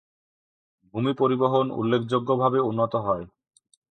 ভূমি পরিবহন উল্লেখযোগ্যভাবে উন্নত হয়।